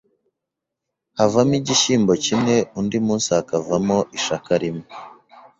havamo igishyimbo kimwe undi munsi hakavamo ishaka rimwe